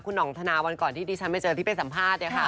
ห่องธนาวันก่อนที่ดิฉันไปเจอที่ไปสัมภาษณ์เนี่ยค่ะ